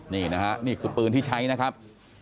นี่นะฮะนี่คือปืนที่ใช้นะครับ